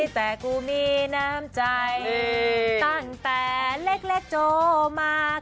แต่กูมีน้ำใจตั้งแต่เล็กโจมาก